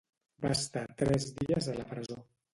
Va estar tres dies a la presó.